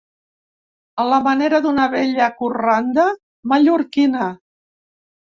A la manera d’una vella corranda mallorquina.